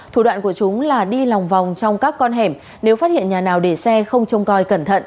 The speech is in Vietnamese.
thủ đoạn của chúng là đi lòng vòng trong các con hẻm nếu phát hiện nhà nào để xe không trông coi cẩn thận